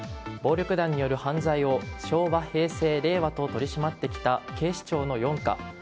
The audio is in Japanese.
暴力団による犯罪を昭和、平成、令和と取り締まってきた警視庁の４課。